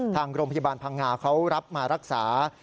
ทางโรงพยาบาลพังงาเขารับมารักษา